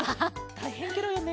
たいへんケロよね。